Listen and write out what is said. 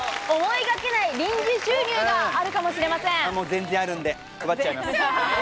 全然あるんで、配っちゃいます。